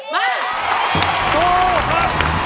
มา